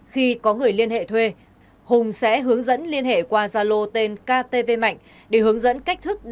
khi có người liên hệ thuê hùng sẽ hướng dẫn liên hệ qua gia lô tên ktv mạnh để hướng dẫn cách thức